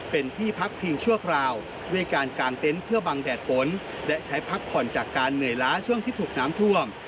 เป็นที่พักพิงชั่วคราวด้วยการกางเต็นต์เพื่อบังแดดฝนและใช้พักผ่อนจากการเหนื่อยล้าช่วงที่ถูกน้ำท่วม